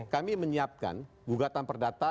kami menyiapkan gugatan perdata